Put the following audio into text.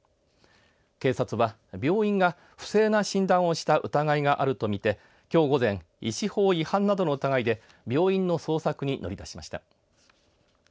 警察は病院が不正な診断をした疑いがあるとみてきょう午前医師法違反などの疑いで病院の捜索に乗り出しました。